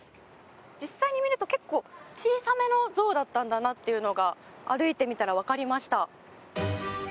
実際に見ると結構小さめの像だったんだなというのが歩いてみたらわかりました。